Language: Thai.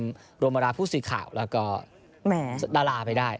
โรมตลาดดาลาพูซื่อข่าวแล้วก็สุดลาลาไปได้